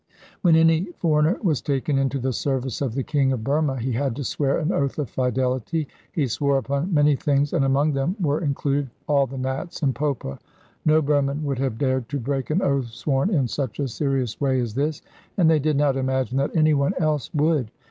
When any foreigner was taken into the service of the King of Burma he had to swear an oath of fidelity. He swore upon many things, and among them were included 'all the Nats in Popa.' No Burman would have dared to break an oath sworn in such a serious way as this, and they did not imagine that anyone else would.